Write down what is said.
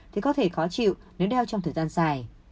thì có thể khó chịu nếu đeo trong thời gian dài